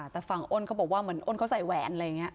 แต่ฟังอ้นเขาบอกว่าอ้นเขาใส่แหวนอะไรแบบนี้